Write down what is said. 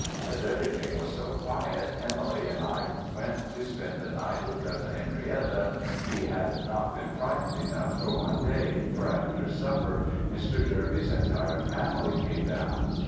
As everything was so quiet Emily and I went to spend the night with Cousin Henrietta we had not been frightened enough for one day, for after supper, Mr. Jervey's entire family came down.